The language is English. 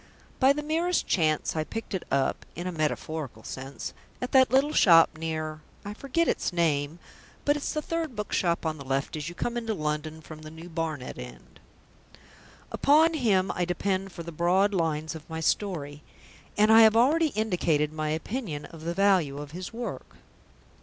By the merest chance I picked it up (in a metaphorical sense) at that little shop near I forget its name, but it's the third bookshop on the left as you come into London from the New Barnet end. Upon him I depend for the broad lines of my story, and I have already indicated my opinion of the value of his work.